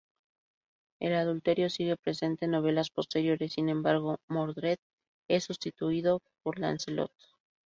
El adulterio sigue presente en novelas posteriores, sin embargo, Mordred es sustituido por Lancelot.